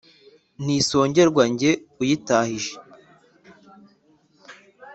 Ntisongerwa jye uyitahije